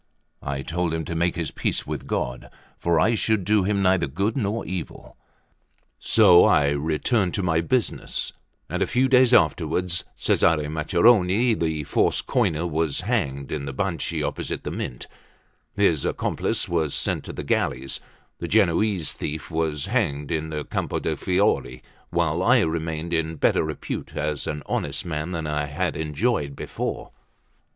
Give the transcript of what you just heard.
I told him to make his peace with God, for I should do him neither good nor evil. So I returned to my business; and a few days afterwards, Cesare Macherone, the false coiner, was hanged in the Banchi opposite the Mint; his accomplice was sent to the galleys; the Genoese thief was hanged in the Campo di Fiore, while I remained in better repute as an honest man than I had enjoyed before.